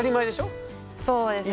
そうですね。